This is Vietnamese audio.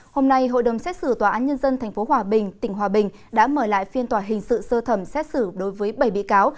hôm nay hội đồng xét xử tòa án nhân dân tp hòa bình tỉnh hòa bình đã mở lại phiên tòa hình sự sơ thẩm xét xử đối với bảy bị cáo